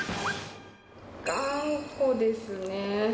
頑固ですね。